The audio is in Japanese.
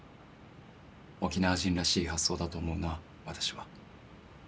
沖縄人らしい発想だと思うな私は。